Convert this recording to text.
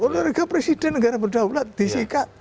norega presiden negara berdaulat disikat